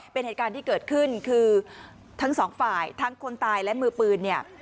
เป็นเหตุการณ์ที่เกิดขึ้นคือทั้งสองฝ่ายทั้งคนตายและมือปืนเนี่ย